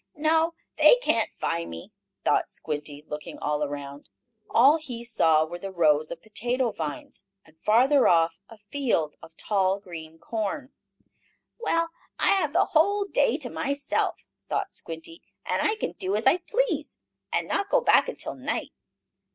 "No, they can't find me," thought Squinty, looking all around. All he saw were the rows of potato vines, and, farther off, a field of tall, green corn. "Well, I have the whole day to myself!" thought Squinty. "I can do as I please, and not go back until night.